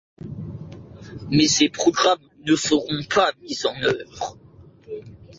Mais ces programmes ne seront pas mis en œuvre.